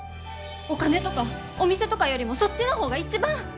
お金とかお店とかよりもそっちの方が一番！